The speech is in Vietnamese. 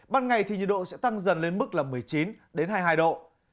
ban ngày thì nhiệt độ sẽ tăng dần lên mức là một mươi chín hai mươi hai độ